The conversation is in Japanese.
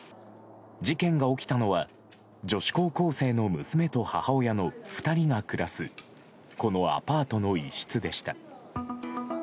事件が起きたのは女子高生の娘と母親の２人が暮らすこのアパートの一室でした。